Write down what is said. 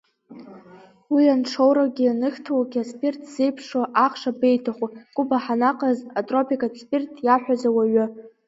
Уи ианшоуроугьы ианыхьҭоугьы асԥирҭ ззеиԥшу ахш абеиҭаху, Куба ҳаныҟаз атропикатә сԥирҭ иаҳәаз ауаҩ!